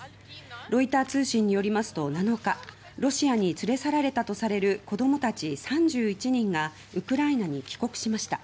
ロイター通信によりますと７日、ロシアに連れ去られたとされる子供たち３１人がウクライナに帰国しました。